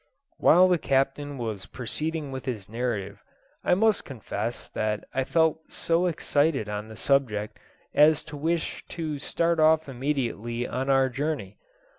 While the Captain was proceeding with his narrative, I must confess that I felt so excited on the subject as to wish to start off immediately on our journey.